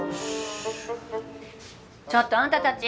ちょっとあんたたち！